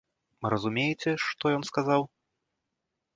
Разумееце, што ён сказаў?